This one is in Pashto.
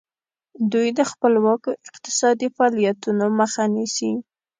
دوی د خپلواکو اقتصادي فعالیتونو مخه نیسي.